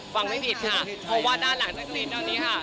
ฟังไม่ผิดค่ะของวัดด้านหลังสิ้นตอนนี้ค่ะ